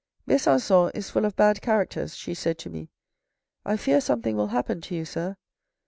' Besan^on is full of bad characters,' she said to me. ' I fear something will happen to you, sir.